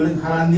dengan hal ini